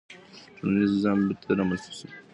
ټولنیز نظم به بیرته رامنځته سي.